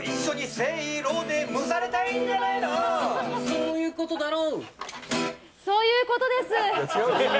そういうことだろ！